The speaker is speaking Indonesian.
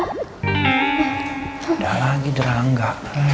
udah lagi derangga